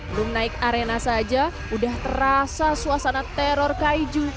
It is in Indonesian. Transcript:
belum naik arena saja sudah terasa suasana teror kaiju